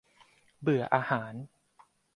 เบื่ออาหาร !